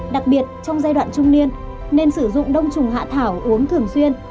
đặc biệt trong giai đoạn trung niên nên sử dụng đông trùng hạ thảo uống thường xuyên